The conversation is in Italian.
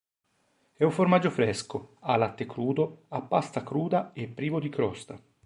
È un formaggio fresco, a latte crudo, a pasta cruda e privo di crosta.